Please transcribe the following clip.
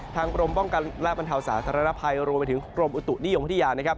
ทางกรมป้องกันและปันเทาสาธารณภัยรวมไปถึงกรมอุตุนิยมพฤติญาณ